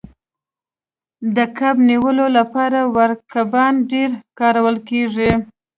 د کب نیولو لپاره واړه کبان ډیر کارول کیږي